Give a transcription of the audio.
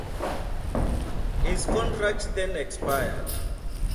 His contract then expired.